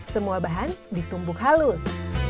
semua bahan ditumbuk halus